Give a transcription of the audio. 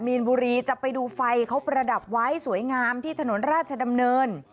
มีนบุรีจะไปดูไฟเขาประดับไว้สวยงามที่ถนนราชดำเนิน